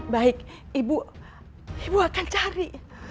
baik ibu akan cari